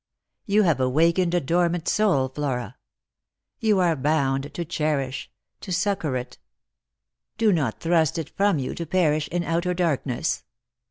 You have awakened a dormant soul, Flora ; you are bound to cherish, to succour it. Do not thrust it from you to perish in outer darkness.